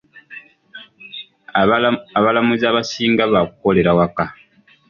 Abalamuzi abasinga baakukolera waka.